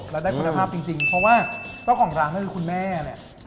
แล้วได้คุณภาพจริงเพราะว่าเจ้าของร้านก็คือคุณแม่เนี่ย